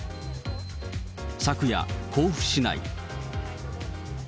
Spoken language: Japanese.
昨夜、甲府市内。